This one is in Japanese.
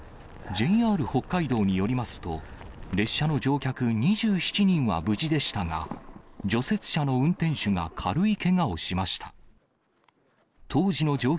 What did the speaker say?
ＪＲ北海道によりますと、列車の乗客２７人は無事でしたが、除雪車の運転手が軽いけがをしました。